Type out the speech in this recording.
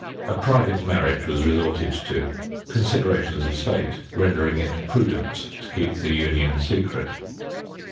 A private marriage was resorted to, considerations of state rendering it prudent to keep the union secret.